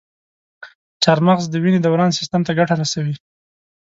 چارمغز د وینې دوران سیستم ته ګټه رسوي.